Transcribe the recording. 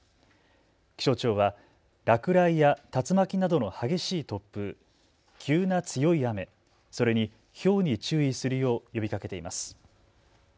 気象庁は落雷や竜巻などの激しい突風、急な強い雨、それにひょうに注意するよう呼びかけています。